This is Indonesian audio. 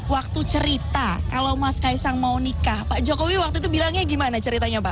waktu cerita kalau mas kaisang mau nikah pak jokowi waktu itu bilangnya gimana ceritanya pak